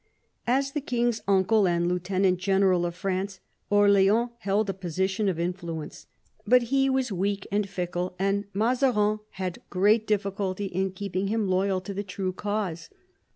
As the king's uncle and lieutenant general of France, Orleans held a position of influence. But he was weak and fickle, and Mazarin had great diflBculty in keeping him loyal to the true cause.